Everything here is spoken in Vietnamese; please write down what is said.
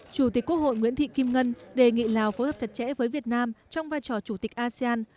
chủ tịch quốc hội nguyễn thị kim ngân đề nghị lào phối hợp chặt chẽ với việt nam trong vai trò chủ tịch asean